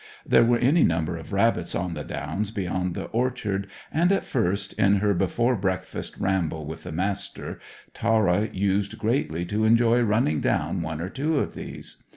There were any number of rabbits on the Downs beyond the orchard, and at first, in her before breakfast ramble with the Master, Tara used greatly to enjoy running down one or two of these.